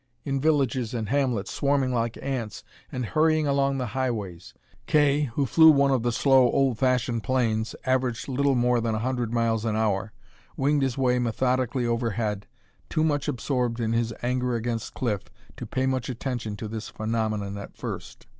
In villages and hamlets, swarming like ants, and hurrying along the highways! Kay, who flew one of the slow, old fashioned planes, averaging little more than a hundred miles an hour, winged his way methodically overhead, too much absorbed in his anger against Cliff to pay much attention to this phenomenon at first.